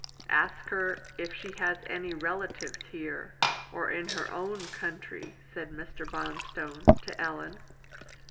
"Ask her if she has any relatives here or in her own country," said Mr. Bonstone to Ellen.